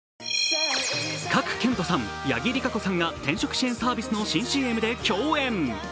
賀来賢人さん、八木莉可子さんが転職支援サービスの新ＣＭで共演。